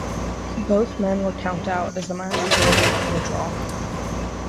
Both men were countout as the match resulted in a draw.